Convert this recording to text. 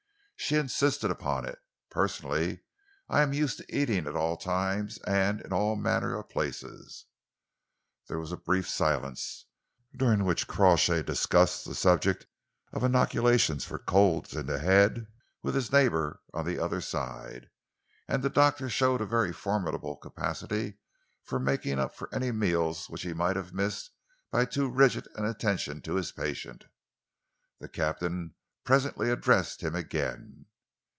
"She insisted upon it. Personally, I am used to eating at all times and in all manner of places." There was a brief silence, during which Crawshay discussed the subject of inoculation for colds in the head with his neighbour on the other side, and the doctor showed a very formidable capacity for making up for any meals which he might have missed by too rigid an attention to his patient. The captain presently addressed him again.